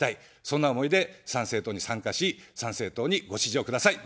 そんな思いで参政党に参加し、参政党にご支持をください。